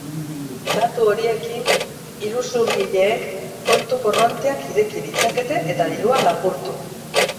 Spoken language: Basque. Datu horiekin, iruzurgileek kontu korronteak ireki ditzakete eta dirua lapurtu.